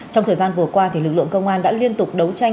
trong thời gian vừa qua lực lượng công an đã liên tục đấu tranh